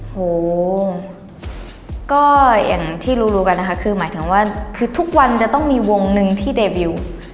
โหก็อย่างที่รู้รู้กันนะคะคือหมายถึงว่าคือทุกวันจะต้องมีวงหนึ่งที่เดบิล